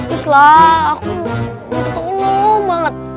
islah aku minta tolong banget